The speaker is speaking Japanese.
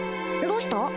どうした？